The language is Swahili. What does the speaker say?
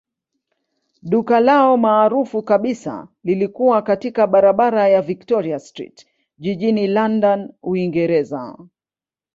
Duka lao maarufu kabisa lilikuwa katika barabara ya Victoria Street jijini London, Uingereza.